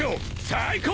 最高！